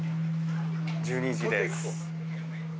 １２時です。